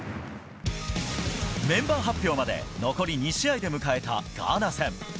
メンバー発表まで残り２試合で迎えたガーナ戦。